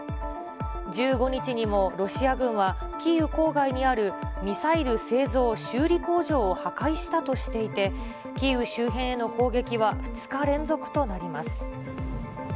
１５日にもロシア軍はキーウ郊外にあるミサイル製造・修理工場を破壊したとしていて、キーウ周辺への攻撃は２日連続となります。